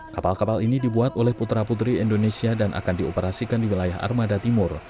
kapal kapal ini dibuat oleh putra putri indonesia dan akan dioperasikan di wilayah armada timur